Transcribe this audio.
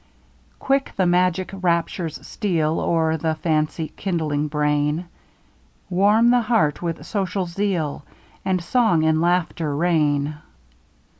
Quick the magic raptures steal O'er the fancy kindling brain. Warm the heart with social zeal, And song and laughter reign.